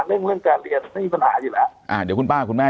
เรื่องการเรียนก็ไม่มีปัญหาอยู่แล้วอ่ะเดี๋ยวคุณเป้าพี่คุณแม่